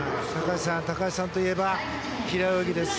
高橋さんといえば平泳ぎです。